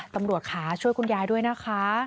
ตำรวจค่ะช่วยคุณยายด้วยนะคะ